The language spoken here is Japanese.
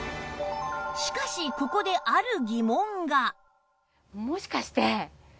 しかしここである疑問が